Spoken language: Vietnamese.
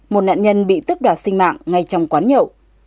một nạn nhân bị tức đoạt sinh mạng ngay trong quán nhậu